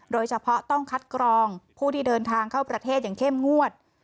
โดยเฉพาะต้องคัดกรองผู้ที่เดินทางเข้าประเทศอย่างเข้มงวด